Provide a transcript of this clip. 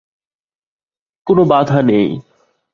কোনো বাধা নেই।